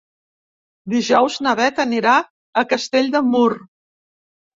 Dijous na Beth anirà a Castell de Mur.